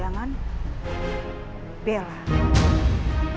aku mau balik rumah ini